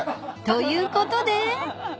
［ということで］